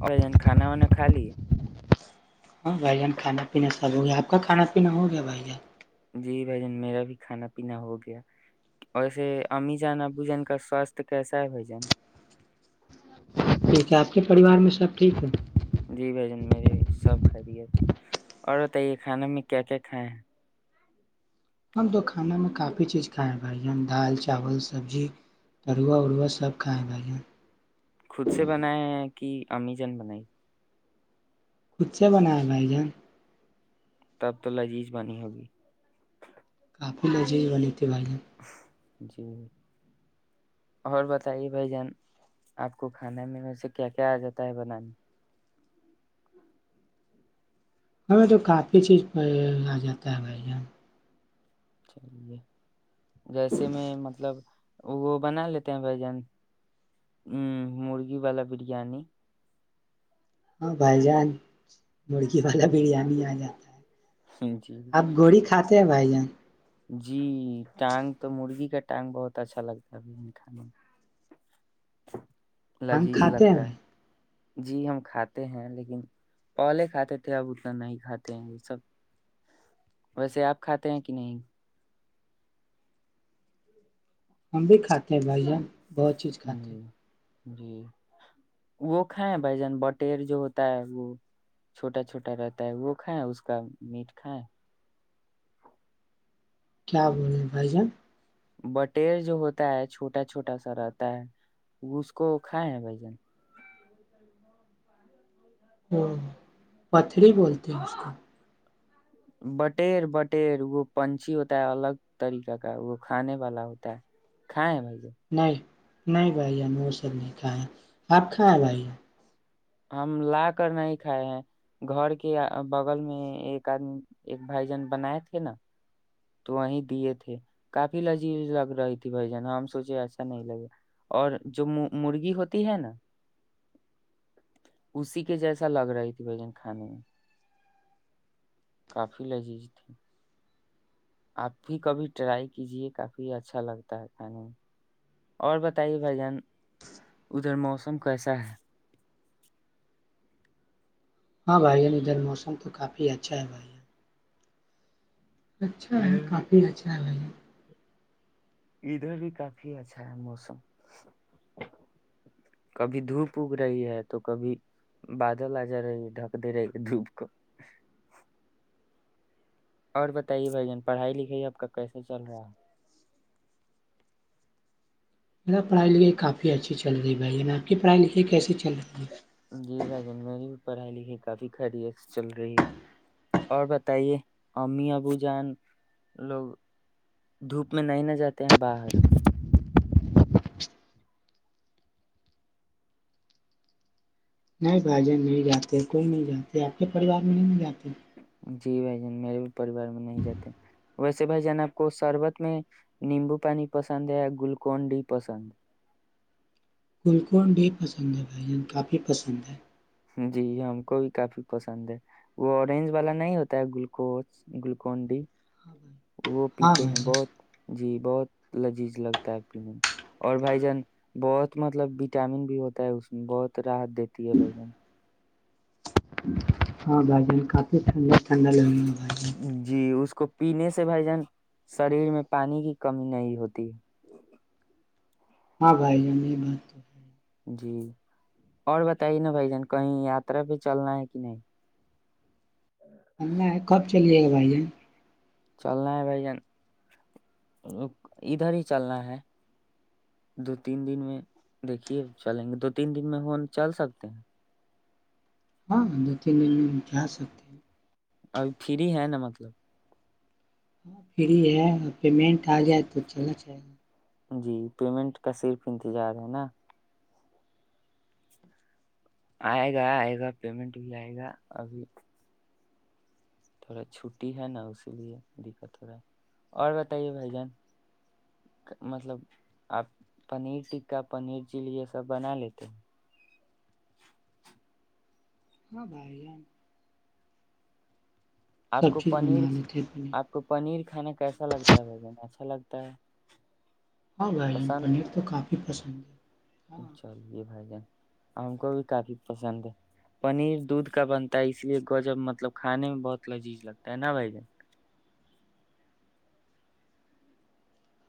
اور ایک دن کھانا وانا کھا لی ہاں بھائی جان کھانا پینا سب ہو گیا آپ کا کھانا پینا ہو گیا بھائی جان جی بھ جن میرا بھی کھانا پینا ہو گیا وسے امیزان ا بھجن کا سوستھ کیسا ہے بھ جن ٹھیک ہے آپ کے پریوار میں سب ٹھیک ہے جی بھ جن میرے بھی سب خرییے تھ اور بتائیے کھانا میں کیا کیا کھائے ہیں ہم تو کانا میں کافی چیز کائےیں بائی ہم دال چاول سبزی ترووا ارووا سب کائے بائی خود سے بناائے ہیں کہ امیجن بنائی کچھے بنا لائی ج تب تو لذیز بنی ہوگی آپو جی بنی کے بارے جی اور بتائیے بھائی جان آپ کو کھانے میں ویسے کیا کیا آ جاتا ہے بنانا ہمیں تو کافی چیز پ آ جاتا ہے بھائی جان چلیے جیسے میں مطلب وہ بنا لیتے ہیں بھ جان ا مرغی والا بریانی ہاں بھائی جان مرغی والا بریانی آ جاتا ہے جی آپ گوڑی کھاتے سے بھائی جان جی ٹانگ تو مرغی کا ٹانگ بہت اچھا لگتا ہےب کھانے میں ہم لذیذ کھاتے ہیں لگتا بھائی ہے جی ہم کھاتے ہیں لیکن پلے کھاتے تھے اب اتنا نہیں کھاتے ہیں یہ سب ویسے آپ کھاتے ہیں کہ نہیں ہم بھی کھاتے ہیں بھائی جان بہت چیز کھاتے ہیں جی جی وہ کھائےیں بھائی جان بٹیر جو ہوتا ہے وہ چھوٹا چھوٹا رہتا ہے وہ کھائیں اس کا میٹ کھائےیں کیا بول رہے بھائی جان بٹیر جو ہوتا ہے چھوٹا چھوٹا سا رہتا ہے اس کو کھائےیں بھ جن ہ پتھری بولتے ہیں اس کو بٹیر بٹیر وہ پنچھی ہوتا ہے الگ طریقہ کا وہ کھانے والا ہوتا ہے کھائےیں بھائی جان نہیں نہیں بھائییا ہم وہ سب نہیں کھائے ہے آپ کھایں بھائی ہم لا کر نہیں کھائے ہیں گھر کے بغل میں ایک آدمی ایک بھائی جان بنائے تھے نا تو وہیں دیے تھے کافی لذیذ لگ رہی تھی بھ جن ہم سوچے ایسا نہیں لگا اور جو مرغی ہوتی ہے نا اسی کے جیسا لگ رہی تھی بھجن کھانے میں کافی لذیذ تھی آپ بھی کبھی ٹرائی کیجیے کافی اچھا لگتا ہے کھانے اور بتائیے بھ جان ادھر موسم کیسا ہے ہاں بھائی ادھر موسم تو کافی اچھا ہے بھائی اچھا ہے ادھر بھی کافی اچھا ہے بھائی ادھر بھی کافی اچھا ہے موسم کبھی دھوپ اگ رہی ہے تو کبھی بادل آ جا رہی ہے ڈھک دے رہے دھوپ کو اور بتائیے بھ جن پڑھائی لکھائی آپ کا کیسے چل رہا ہے میرا پڑھائی لائی کافی اچھی چل رہی بھائی میں آپ کی پڑھائی لائی کیے چل رہی ہوں جی بھ جان میری پڑھائی لکھائی کافی خھری چل رہی ہے اور بتائیے امی ابو جان لوگ دھوپ میں نہیں نہ جاتے ہیں باہر نہیں بھائی جان نہیں جاتے کوئی نہیں جاتے آپ کے پریوار میں نہیں نہیں جاتے جی بھائی جان میرے پریوار میں نہیں جاتے ویسے بھائی جان آپ کو سربت میں نیمبو پانی پسند ہے یا گلوکون ڈی پسند گلکن بھی پسند ہے بھائی جان کافی پسند ہے جی ہم کو بھی کافی پسند ہے وہ اورنج والا نہیں ہوتا ہے گلوکوز گلوکون ڈی ہاں وہ پیتے ہیں بھائی جان بہت جی بہت لذیذ لگتا ہے پینے میں اور بھائی جان بہت مطلب وٹامن بھی ہوتا ہے اس میں بہت راحت دیتی ہے بھ جن ہاں بھائی جن کافی ٹھنڈ ھنڈا لگیے ہوتا جان جی اس کو پینے سے بھائی جان شریر میں پانی کی کمی نہیں ہوتی ہاں بھائی ہم یہ بات تو ہے جی اور بتائیے نا بھائی جان کہیں یاترا پہ چلنا ہے کہ نہیں کب چلیے گا بھائی ج چلنا ہے بھائی جان ادھر ہی چلنا ہے دو تین دن میں دیکھیے چلیں گے دو تین دن میں فون چل سکتے ہیں ہاں دو ت دن میں ہم کیا سکتے ہیں اب فری ہے نا مطلب ہاں فری ہے پیمنٹ آ جائے تو چلا جائے گا جی پیمنٹ کا صرف انتظار ہے نا آئے گا آئے گا پیمنٹ بھی آئے گا ابھی تھوڑا چھٹی ہے نا اسی لیے دقت ہو رہا ہے اور بتائیے بھائی جان مطلب آپ پنیر ٹکا پنیر چلی یہ سب بنا لیتے ہیں ہاں بھائی آپ سب کو چیز پنیر بنا لیتے ہیں پنیر آپ کو پنیر کھانا کیسا لگتا ہے بھن اچھا لگتا تا ہاں بائین پنیر تو کافی پسند ہے ہاں چلیے بھ ج ہم کو بھی کافی پسند ہے پنیر دودھ کا بنتا ہے اس لیے گجب مطلب کھانے میں بہت لذیذ لگتا ہے نا بھائی جن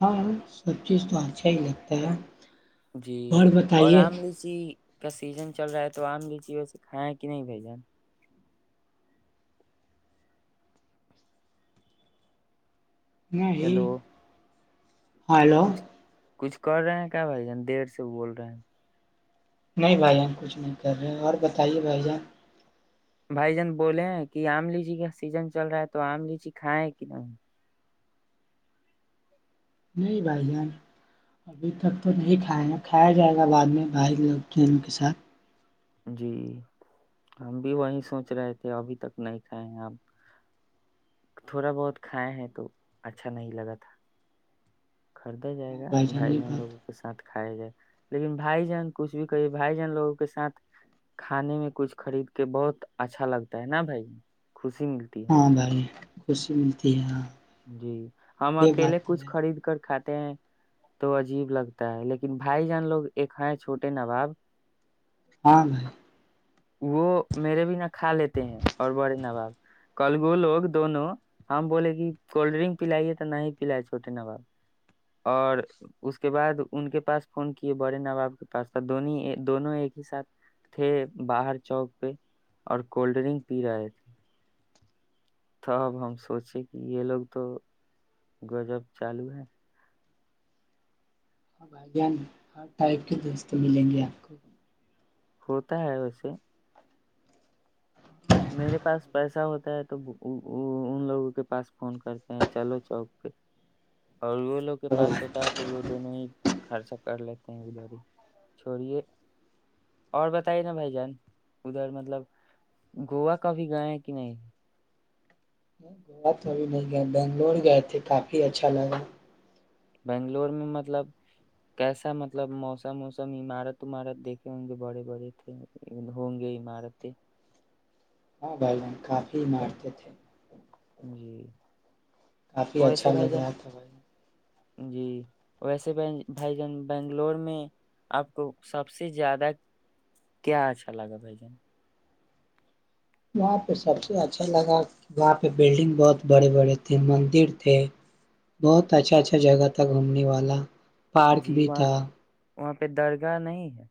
ہاں سب چیز تو اچھا ہی لگتا ہے جی اور آم لیچی کا سیزن چل رہا ہے تو آم لیجیے ویسے کھیں کہ نہیں بھ جان نہیں ہیلو ہاں ہیلو کچھ کچھ کر رہے ہیں کیا بھائی جان دیر سے بول رہے ہیں نہیں بھائی ہم کچھ نہیں کر رہے اور بتائیے بھائی جان بھائی جان بولے ہیں کہ آم لیچی کا سیزن چل رہا ہے تو آم لیچی کھائےیں کہ نہیں [inaudible] نہیں بھائی جان ابھی تک تو نہیں کھائے گ کھایا جائے گا بعد میں بھائی لوگ ان کے ساتھ [inaudible] جی ہم بھی وہی سوچ رہے تھے ابھی تک نہیں کھائے ہیں آپ تھوڑا بہت کھائے ہیں تو اچھا نہیں لگا تھا [inaudible] خریدا جائے ہاں گا جان بھائی یہ جن بات لوگوں کے ساتھ کھایا جائے [inaudible] لیکن بھائی جن کچھ بھی کہیے بھائی جن لوگوں کے سات [inaudible] کھانے میں کچھ خرید کے بہت اچھا لگتا ہے نا بھائی [inaudible] خوشی ملتی ہے [inaudible] ہاں بھائی خوشی ملتی ہے [inaudible] جی ہم یہ اکیلے بات تو کچھ ہے خرید کر کھاتے تو عجیب لگتا ہے لیکن بھائی جان لوگ ایک چھوٹے نواب [inaudible] ہاں نہیںائی [inaudible] وہ میرے بھی نہ کھا لیتے ہیں اور بڑے نواب کلگو لوگ دونوں ہم بولے کہ [inaudible] کولڈ ڈرنک پلائیے تو نہیں پلائے چھوٹے نواب اور اس کے بعد ان کے پاس فون کیے بڑے نواب کے پاس دون دونوں ایک ہی ساتھ تھے باہر چوک پہ اور کولڈ ڈرنک پی رہے تھے ت اب ہم سوچے کہ [inaudible] یہ لوگ تو [inaudible] گزب چالو ہے [inaudible] ہ بھان ہر ٹائپ کے دوست ملیں گے آپ کو [inaudible] ہوتا ہے ویسے [inaudible] میرے پاس پیسہ ہوتا ہے تو ان لوگوں کے پاس فون کرتے ہیں چلو چوک پہ اور وہ ل [inaudible] وگ کے پاس ہوتا ہے تو وہ دونوں ہی خرچا کر لیتے ہیں ادھر ہی چھوڑیے اور بتائیے نا بھائی جان ادھر مطلب [inaudible] گووا کافھی گئے ہیں کہ نہیں [inaudible] گیا تو اب نہیں گیا بنگلور گئے تھے کافی اچھا لگا [inaudible] بنگلور میں مطلب کیسا مطلب موسم ووسم عمارت ومارت دیکھے ہوں گے بڑے بڑے تھے ہوں گے عمارتیں [inaudible] ہاں بھائی جن کافی مارتے تھے [inaudible] جی [inaudible] کافی اچھا ویسے بھائی لگ رہا ہے جان تھاب [inaudible] جی ویسے ب بھائی جان بنگلور میں آپ کو سب سے زیادہ کیا اچھا لگا بھائی جان وہاں پہ سب سے اچھا لگا وہاں پہ بلڈنگ بہت بڑے بڑے تھے مندر تھے بہت اچھا اچھا جگہ تھا گھومنے والا پارک جی بھی وہاں تھا وہاں پہ درگاہ نہیں ہے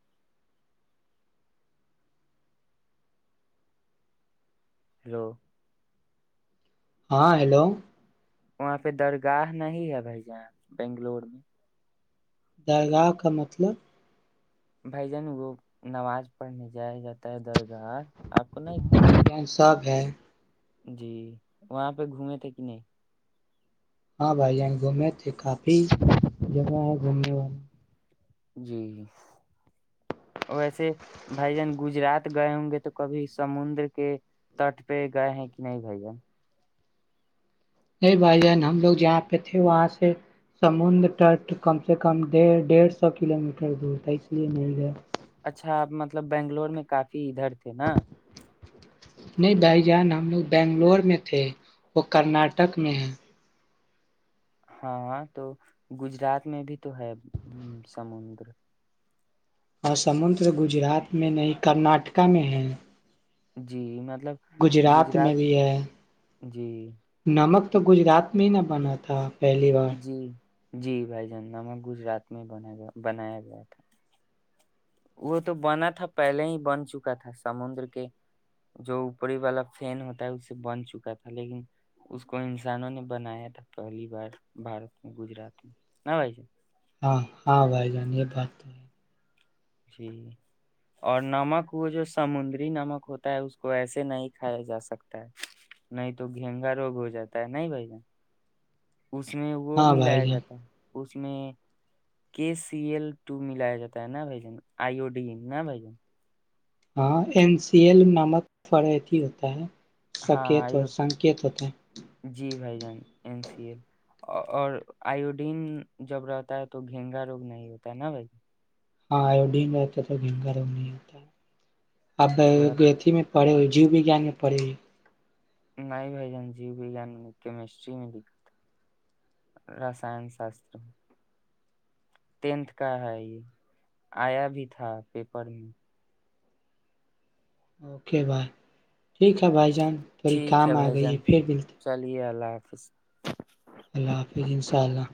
ہلو ہاں ہیلو وہاں پہ درگاہ نہیں ہے بھائی جاں بنگلور میں درگاہ کا مطلب بھائی جن وہ نماز پڑھنے جایا جاتا ہے درد ار آپ کو نہیں ہی پت ب [inaudible] جی وہاں پہ گھومے تھے کہ نہیں ہاں بھائی جین گھومے تھے کافی جگہ ہے گھومنے والی جی ویسے بھائی جان گجرات گئے ہوں گے تو کبھی سمندر کے تٹ پہ گئے ہیں کہ نہیں بھائی جن نہیں بھائی جان ہم لوگ جہاں پہ تھے وہاں سے سمندر تٹ کم سے کم ڈیڑھ سو کلو میٹر دور تھا اس لیے نہیں گی اچھا آپ مطلب بنگلور میں کافی پ ادھر تھ نا [unintelligible] ان ہم لوگ بنگلور میں تھے وہ کرناٹک میں ہیں ہاں تو گجرات میں بھی تو ہے سمندر اور سمندر گجرات میں نہیں کرناٹک میں ہیں جی میں گجرات میں بھی ہے جی نمک تو گجرات میں ہی نہ بنا تھا پہلی بار جی جی بھائی ج ناما گجرات میں بنایا بنایا گیا تھا وہ تو بنا تھا پہلے ہی بن چکا تھا سمندر کے جو اوپری والا فین ہوتا ہے اس سے بن چکا تھا لیکن اس کو انسانوں نے بنایا تھا پہلی بار بارت میں گجرات میں ن بھائی ج ہاں ہاں بھائی جان یہ بات تو ہے جی اور نمک ہو جو سمندری نمک ہوتا ہے اس کو ایسے نہیں کھایا جا سکتا ہے نہیں تو گھینگا روگ ہو جاتا ہے نہیں بھائی ج اس میں وہ ہاں بھائی ملایا جان جاتا ہے اس میں کے سی ایل ٹو ملایا جاتا ہے نا بھائی جن آئیو ڈ نہ بھ ج ہاں این سی ایل نامک فرت ہی ہوتا ہے ہاں سکت ہو آیو سنکت ہوتے س اور آوڈین جب رہتا ہے تو گیننگا روگ نہیں ہوتا ہے نا بھائی ہاں ایوڈیین رہتے تو گنگ ر نہیں ہوتا آپ تھوڑا گئے تھی میں [inaudible] پڑے ہوئی جیو وجیان میں پڑھی ہوئی [unintelligible] نہیں بھائی جان جیو وگان میں کیمسٹری میں لکھا تھا رسان شاستر [unintelligible] ٹینتھ کا ہے یہ آیا بھی تھا پیپر میں اوکے بھائی ٹھیک ہے بھائی جان تھوڑی ٹھیک ہے کام آ بھائی گئی جان پھر ملتے چلیے اللہا حافظ [unintelligible] اللہ حافظ انشاء اللہ